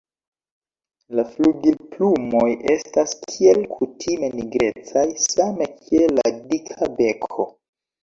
La flugilplumoj estas kiel kutime nigrecaj, same kiel la dika beko.